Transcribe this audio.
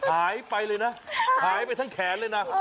หายไปเลยนะหายไปทั้งแขนเลยนะ